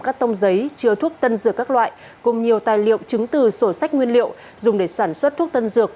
các tông giấy chứa thuốc tân dược các loại cùng nhiều tài liệu chứng từ sổ sách nguyên liệu dùng để sản xuất thuốc tân dược